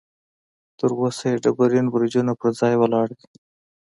تر اوسه یې ډبرین برجونه پر ځای ولاړ دي.